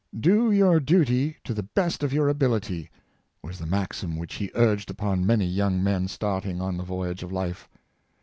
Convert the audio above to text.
"Do your duty to the best of your abiHty," was the maxim which he urged upon many young men starting on the voyage of life.